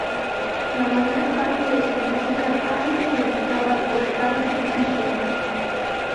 La mayor parte de su música ha sido publicada por Carl Fischer.